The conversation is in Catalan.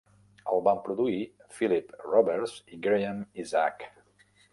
El van produir Philip Roberts i Graeme Isaac.